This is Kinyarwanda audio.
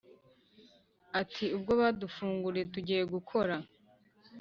Ati “Ubwo badufunguriye tugiye gukora,